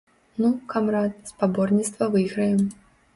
Ну, камрад, спаборніцтва выйграем.